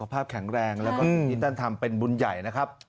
สุขภาพแข็งแรงและก็นิดนึงทำเป็นบุญใหญ่นะครับ